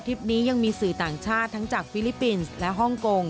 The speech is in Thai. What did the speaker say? คลิปนี้ยังมีสื่อต่างชาติทั้งจากฟิลิปปินส์และฮ่องกง